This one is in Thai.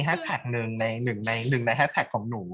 แต่มันจะมีแฮชแท็กหนึ่งในแฮชแท็กของหนู